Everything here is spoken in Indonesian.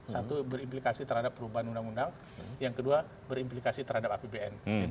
satu berimplikasi terhadap perubahan undang undang yang kedua berimplikasi terhadap apbn